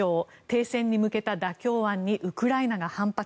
停戦に向けた妥協案にウクライナが反発。